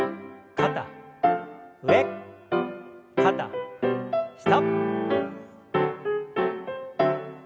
肩上肩下。